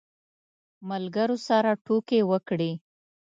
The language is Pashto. ملګرو سره ټوکې وکړې.